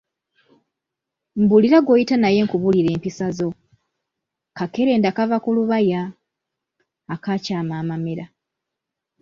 Mbuulira gw’oyita naye nkubuulire empisa zo, kakerenda kava ku lubaya, akaakyama amamera.